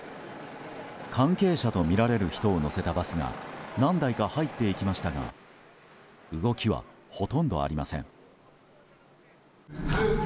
関係者とみられる人を乗せたバスが何台か入っていきましたが動きはほとんどありません。